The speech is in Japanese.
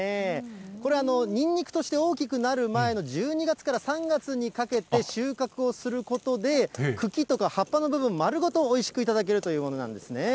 これ、ニンニクとして大きくなる前の１２月から３月にかけて収穫をすることで、茎とか葉っぱの部分、丸ごとおいしく頂けるというものなんですね。